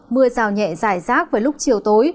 mưa rào nhẹ rải rác vào lúc chiều tối